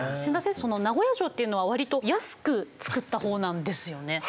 その名古屋城というのはわりと安く造った方なんですよね。